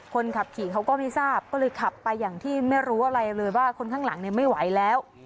คนขับขี่เขาก็ไม่ทราบก็เลยขับไปอย่างที่ไม่รู้อะไรเลยว่าคนข้างหลังเนี่ยไม่ไหวแล้ว